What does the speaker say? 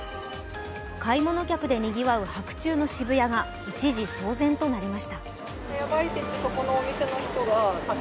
買い物客でにぎわう白昼の渋谷が一部騒然となりました。